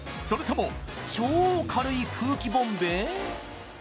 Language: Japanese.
それとも超軽い空気ボンベ？